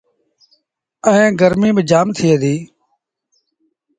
ائيٚݩ گرميٚ با جآم ٿئي ديٚ۔